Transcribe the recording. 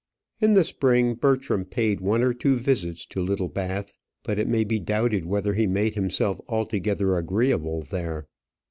In the spring Bertram paid one or two visits to Littlebath; but it may be doubted whether he made himself altogether agreeable there.